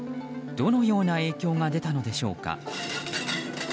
どのような影響が出たのでしょうか。